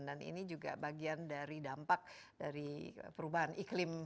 dan ini juga bagian dari dampak dari perubahan iklim